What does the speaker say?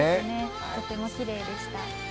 とてもきれいでした。